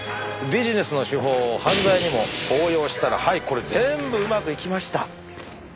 ビジネスの手法を犯罪にも応用したらはいこれ全部うまくいきました。